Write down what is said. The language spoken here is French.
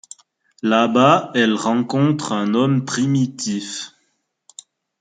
Là-bas, elle rencontre un homme primitif.